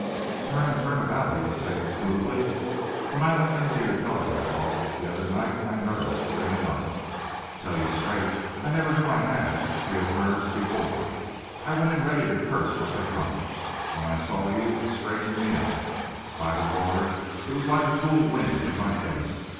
"Turn and turn about," he was saying smoothly. "When I went into your telegraph office the other night my nerves were in a knot. Tell you straight I never knew I had real nerves before. I went in ready to curse like a drunk. When I saw you, it straightened me out. By the Lord, it was like a cool wind in my face.